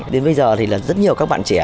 đến bây giờ thì rất nhiều các bạn trẻ